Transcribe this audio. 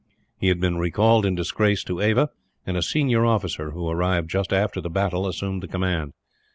He had been recalled in disgrace to Ava; and a senior officer, who arrived just after the battle, assumed the command.